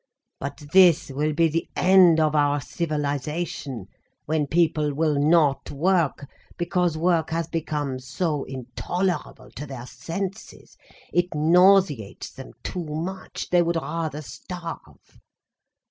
But this will be the end of our civilisation, when people will not work because work has become so intolerable to their senses, it nauseates them too much, they would rather starve.